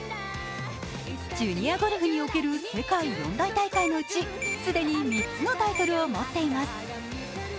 ジュニアゴルフにおける世界四大大会のうち既に３つのタイトルを持っています